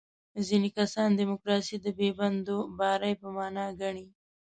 ځینې کسان دیموکراسي د بې بندوبارۍ په معنا ګڼي.